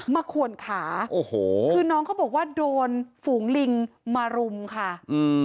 ขวนขาโอ้โหคือน้องเขาบอกว่าโดนฝูงลิงมารุมค่ะอืม